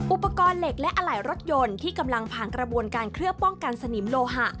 อุปกรณ์เหล็กและอะไหล่รถยนต์ที่กำลังผ่านกระบวนการเคลือบป้องกันสนิมโลหะ